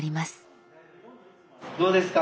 どうですか？